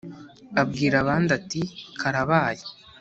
Abwira abandi ati: «Karabaye! »